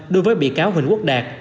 đối với bị cáo huỳnh quốc đạt